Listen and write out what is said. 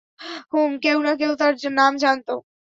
হুম, কেউ না কেউ তার নাম জানত।